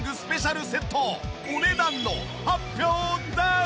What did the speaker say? お値段の発表です！